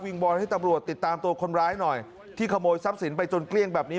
บอลให้ตำรวจติดตามตัวคนร้ายหน่อยที่ขโมยทรัพย์สินไปจนเกลี้ยงแบบนี้